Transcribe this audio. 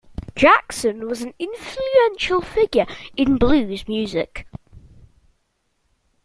Jackson was an influential figure in blues music.